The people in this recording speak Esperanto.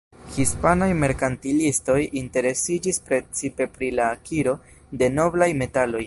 Hispanaj merkantilistoj interesiĝis precipe pri la akiro de noblaj metaloj.